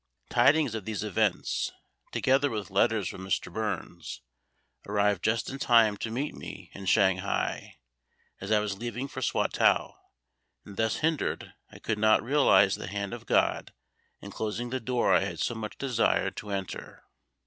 Tidings of these events, together with letters from Mr. Burns, arrived just in time to meet me in Shanghai as I was leaving for Swatow; and thus hindered, I could not but realise the hand of GOD in closing the door I had so much desired to enter.